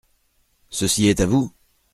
Ceci est à vous ?